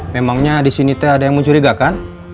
memangnya disini teh ada yang mencurigakan